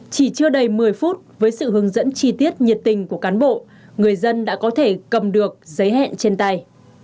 chỉ chưa đầy một mươi phút với sự hướng dẫn chi tiết nhiệt tình của cán bộ người dân đã có thể cầm được giấy hẹn trên tay